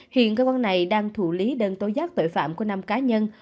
hiện cơ quan này đang thủ lý đơn tố giác tội phạm của năm cá nhân